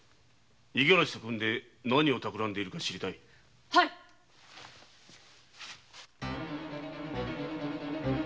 五十嵐と組んで何をたくらんでいるのか知りたいのだ。